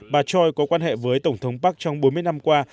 bà choi có quan hệ với tổng thống park trong bốn mươi năm qua